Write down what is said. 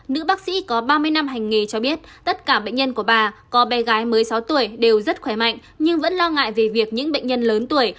nữ bác sĩ có ba mươi năm hành nghề cho biết tất cả bệnh nhân của bà có bé gái một mươi sáu tuổi đều rất khỏe mạnh nhưng vẫn lo ngại về việc những bệnh nhân lớn tuổi